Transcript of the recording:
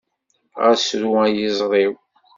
Ɣas ru ay iẓri-w.